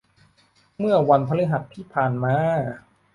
เมื่อวันพฤหัสที่ผ่านมา